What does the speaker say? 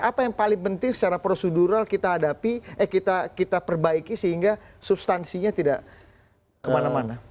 apa yang paling penting secara prosedural kita hadapi eh kita perbaiki sehingga substansinya tidak kemana mana